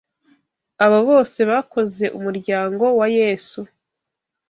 abo bose bakoze umuryango wa Yesu